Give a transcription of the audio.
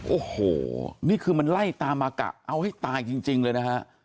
โอ้โหนี่คือมันไล่ตามมากะเอาให้ตายจริงเลยนะฮะ